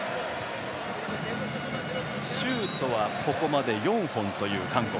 シュートはここまで４本という韓国。